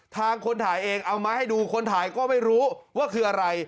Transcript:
คนถ่ายเองเอามาให้ดูคนถ่ายก็ไม่รู้ว่าคืออะไร